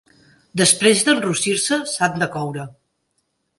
Després d'enrossir-se, s'han de coure.